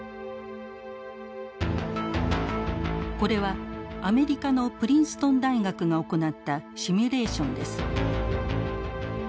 これはアメリカのプリンストン大学が行ったシミュレーションです。